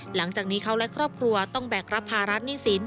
หลังจากนี้เขาและครอบครัวต้องแบกรับภาระหนี้สิน